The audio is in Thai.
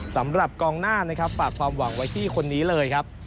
สำหรับกองหน้านะครับฝากความหวังไว้ที่คนนี้เลยครับ